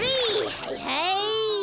はいはい。